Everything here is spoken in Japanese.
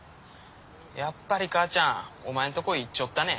やっぱり母ちゃんお前んとこ行っちょったね？